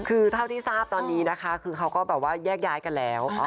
คือเท่าที่ทราบตอนนี้นะคะคือเขาก็แบบว่าแยกย้ายกันแล้ว